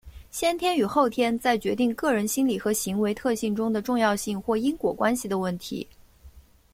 先天与后天在决定个人心理和行为特性中的重要性或因果关系的问题。